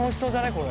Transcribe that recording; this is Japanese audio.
これ。